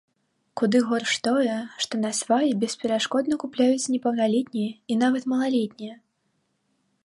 Куды горш тое, што насвай бесперашкодна купляюць непаўналетнія і нават малалетнія.